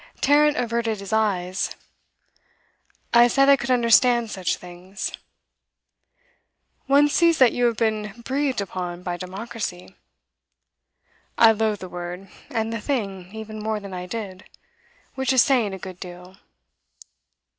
Tarrant averted his eyes. 'I said I could understand such things.' 'One sees that you have been breathed upon by democracy.' 'I loathe the word and the thing even more than I did, which is saying a good deal.